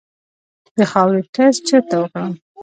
د خاورې ټسټ چیرته وکړم؟